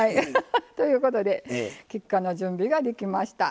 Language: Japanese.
ということで菊花の準備ができました。